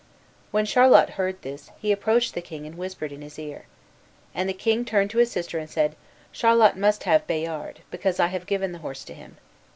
When Charlot heard this he approached the king and whispered in his ear. And the king turned to his sister and said, "Charlot must have Bayard, because I have given the horse to him.